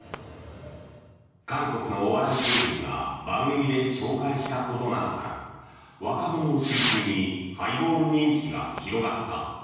韓国のお笑い芸人が番組で紹介したことなどから若者を中心にハイボール人気が広がった。